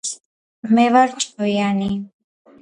მე ვარ ჭკვიანი